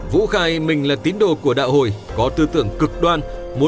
vũ khai mình là tín đồ của đạo hồi có tư tưởng cực đoan